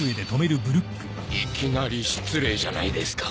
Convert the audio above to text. いきなり失礼じゃないですか。